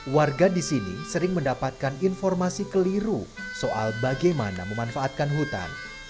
warga di sini sering mendapatkan informasi keliru soal bagaimana memanfaatkan hutan